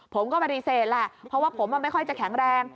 ผมก็ปฏิเสธแหละเพราะว่าผมไม่ค่อยจะแข็งแรง